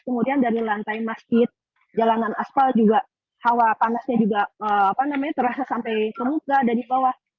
kemudian dari lantai masjid jalanan aspal juga hawa panasnya juga terasa sampai ke muka dari bawah